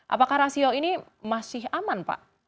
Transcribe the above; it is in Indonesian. apakah rasio ini masih aman pak